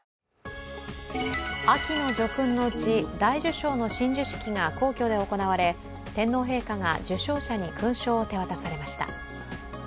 秋の叙勲のうち大綬章の親授式が皇居で行われ、天皇陛下が受章者に勲章を手渡されました。